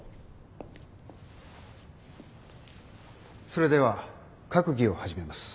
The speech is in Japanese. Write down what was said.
それでは閣議を始めます。